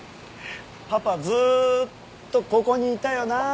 パパずっとここにいたよな？